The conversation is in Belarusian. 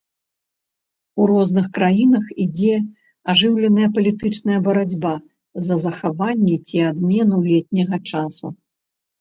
У розных краінах ідзе ажыўленая палітычная барацьба за захаванне ці адмену летняга часу.